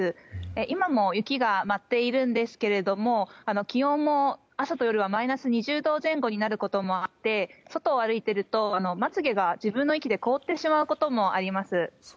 今も雪が舞っていますが気温も朝と夜はマイナス２０度前後になることもあって外を歩いていると、まつげが自分の息で凍ってしまうこともあります。